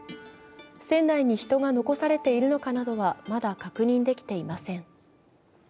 船内に人が残されているのかなどは、まだ確認できていません。